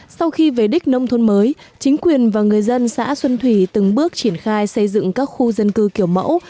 sau khi về đích nông thôn mới chính quyền và người dân xã xuân thủy từng bước triển khai xây dựng các khu dân cư kiểu mẫu